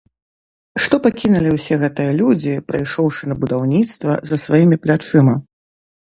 Што пакінулі ўсе гэтыя людзі, прыйшоўшы на будаўніцтва, за сваімі плячыма?